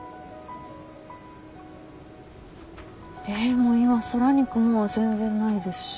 でも今空に雲は全然ないですし。